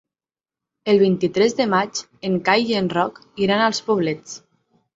El vint-i-tres de maig en Cai i en Roc iran als Poblets.